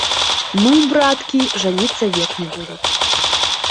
Ну, браткі, жаніцца век не буду!